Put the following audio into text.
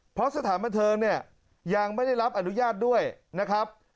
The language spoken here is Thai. เพราะสถานบันเทิงเนี่ยยังไม่ได้รับอนุญาตด้วยนะครับ